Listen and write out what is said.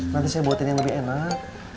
nanti saya buatin yang lebih enak